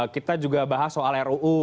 kita juga bahas soal ruu